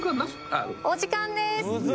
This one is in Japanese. お時間です！